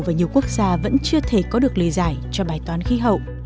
và nhiều quốc gia vẫn chưa thể có được lời giải cho bài toán khí hậu